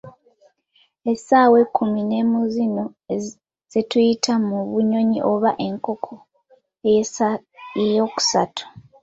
Essaawa ekkumi n'emu zino zetuyita, mu bunnyonnyi oba enkoko ey'okusatu.